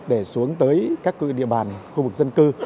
để xuống tới các địa bàn khu vực dân cư